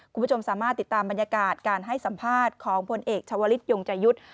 คุณผู้ชมสามารถติดตามบรรยากาศการให้สัมภาษณ์ของพลเอกชาวลิศยงใจยุทธ์